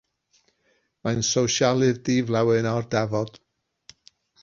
Mae'n sosialydd di-flewyn-ar-dafod.